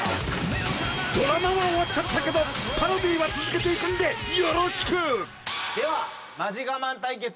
［ドラマは終わっちゃったけどパロディーは続けていくんでよろしく！］ではマジガマン対決を始めます。